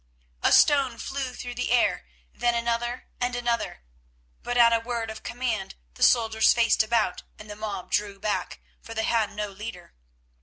A stone flew through the air, then another and another, but at a word of command the soldiers faced about and the mob drew back, for they had no leader.